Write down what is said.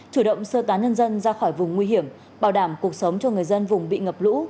chủ động sơ tán nhân dân ra khỏi vùng nguy hiểm bảo đảm cuộc sống cho người dân vùng bị ngập lũ